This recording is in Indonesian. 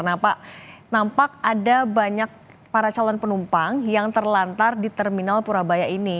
nah pak nampak ada banyak para calon penumpang yang terlantar di terminal purabaya ini